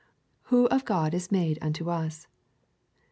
Who of God is made unto us.